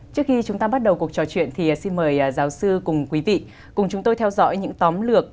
trước khi chúng ta bắt đầu cuộc trò chuyện thì xin mời giáo sư cùng quý vị cùng chúng tôi theo dõi những tóm lược